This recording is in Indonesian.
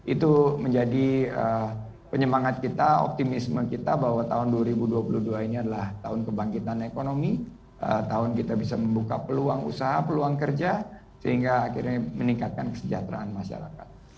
itu menjadi penyemangat kita optimisme kita bahwa tahun dua ribu dua puluh dua ini adalah tahun kebangkitan ekonomi tahun kita bisa membuka peluang usaha peluang kerja sehingga akhirnya meningkatkan kesejahteraan masyarakat